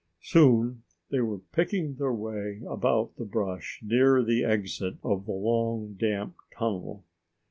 Soon they were picking their way about the brush near the exit of the long, damp tunnel.